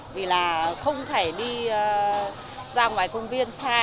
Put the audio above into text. vì là không phải đi ra ngoài công viên xa